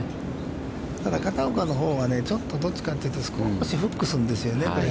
ただ、片岡のほうは、ちょっと、どっちかというと、少しフックするんですよね。